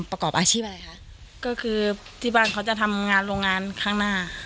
ประกอบอาชีพอะไรคะก็คือที่บ้านเขาจะทำงานโรงงานข้างหน้า